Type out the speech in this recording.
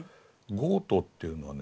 ゴートっていうのはね